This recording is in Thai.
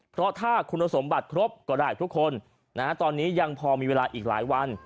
เพราะถ้าคุณสมบัติครบก็ได้ทุกคนตอนนี้ยังพอมีเวลาอีกหลายวัน